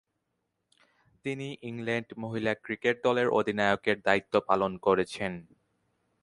তিনি ইংল্যান্ড মহিলা ক্রিকেট দলের অধিনায়কের দায়িত্ব পালন করেছেন।